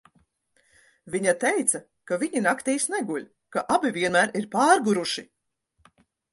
Viņa teica, ka viņi naktīs neguļ, ka abi vienmēr ir pārguruši.